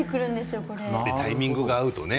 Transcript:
タイミングが合うとね